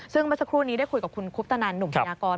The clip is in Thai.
ซึ่งเมื่อสักครู่นี้ได้คุยกับคุณคุปตนันหนุ่มพยากร